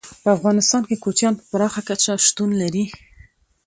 په افغانستان کې کوچیان په پراخه کچه شتون لري.